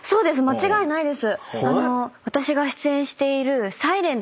間違いないです。